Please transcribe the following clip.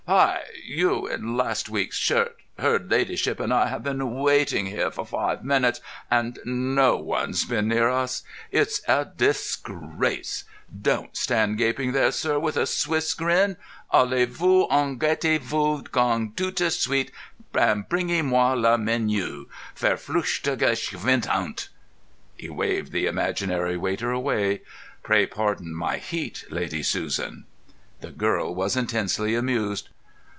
Hi! you in last week's shirt, her ladyship and I have been waiting here for five minutes and no one's been near us. It's a disgrace. Don't stand gaping there, sir, with a Swiss grin. Alley vous ang. Gettey vous gone toute suite, and bringey moi le menu. Verfluchtes, geschweinhund!" He waved the imaginary waiter away. "Pray pardon my heat, Lady Susan." The girl was intensely amused.